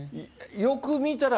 よく見たら、